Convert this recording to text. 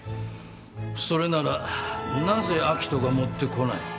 それならなぜ明人が持ってこない？